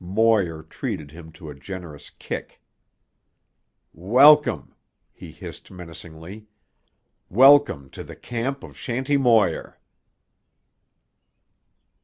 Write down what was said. Moir treated him to a generous kick. "Welcome," he hissed menacingly. "Welcome to the camp of Shanty Moir."